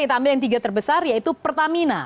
kita ambil yang tiga terbesar yaitu pertamina